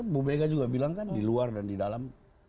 bu mega juga bilang kan di luar dan di dalam